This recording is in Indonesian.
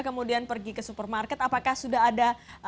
kemudian pergi ke supermarket apakah sudah ada